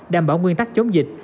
đảm bảo nguyên tắc chống dịch